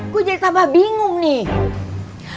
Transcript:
gue jadi tambah bingung nih